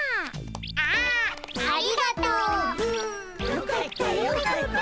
よかったよかった。